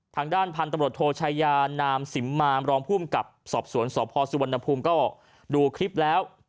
ทางด้านพันธุ์ตำรวจโทชายานามสิมมามรองภูมิกับสอบสวนสพสุวรรณภูมิก็ดูคลิปแล้ว